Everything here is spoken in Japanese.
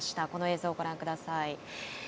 この映像をご覧ください。